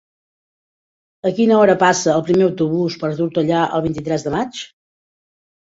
A quina hora passa el primer autobús per Tortellà el vint-i-tres de maig?